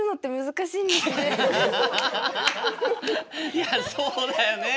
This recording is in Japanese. いやそうだよね。